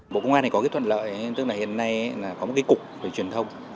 bộ công an có thuận lợi tức là hiện nay có một cục về truyền thông